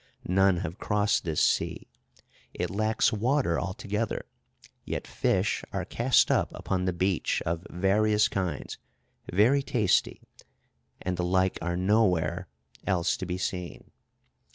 None have crossed this sea; it lacks water altogether, yet fish are cast up upon the beach of various kinds, very tasty, and the like are nowhere else to be seen.